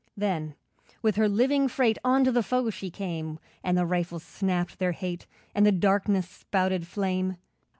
Then with her living freight On to the foe she came, And the rifles snapped their hate, And the darkness spouted flame.